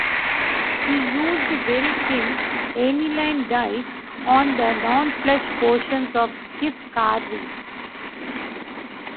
He used very thin aniline dyes on the non-flesh portions of his carvings.